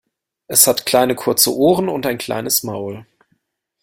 Es hat kleine kurze Ohren und ein kleines Maul.